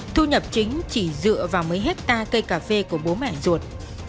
thu nhập chính chỉ dựa vào mấy hectare cây cà phê của bố mẹ ruột